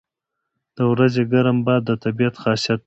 • د ورځې ګرم باد د طبیعت خاصیت دی.